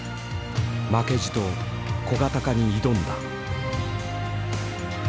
負けじと小型化に挑んだ。